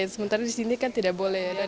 sementara di sini kan tidak boleh